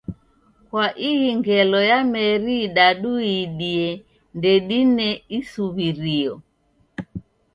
Kwa ihi ngelo ya meri idadu iidie ndedine isuw'irio.